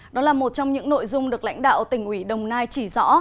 đó là một trong những nội dung được lãnh đạo tỉnh ủy đồng nai chỉ rõ